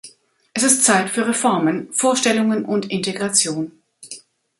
Es ist Zeit für Reformen, Vorstellungen und Integration.